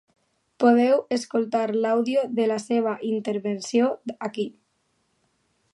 Podeu escoltar l’àudio de la seva intervenció aquí.